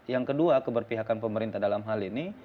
yang kedua keberpihakan pemerintah dalam hal ini